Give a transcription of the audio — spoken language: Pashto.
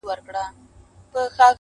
پوهنتون ته سوه کامیاب مکتب یې خلاص کئ-